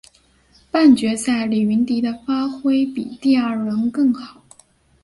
半决赛李云迪的发挥比第二轮更好。